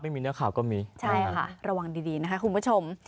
ไม่มีเนื้อข่าวก็มีใช่ค่ะระวังดีดีนะคะคุณผู้ชม